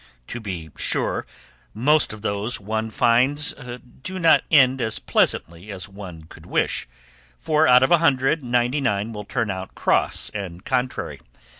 To be sure most of those one finds do not end as pleasantly as one could wish, for out of a hundred, ninety nine will turn out cross and contrary.